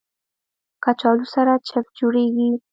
کچالو سره چپس جوړېږي